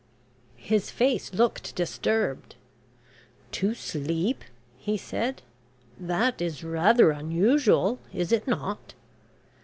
His face looked disturbed. "To sleep?" he said. "That is rather unusual, is it not?"